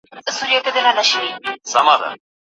په ادارو کي باید له مراجعینو سره سم چلند وسي.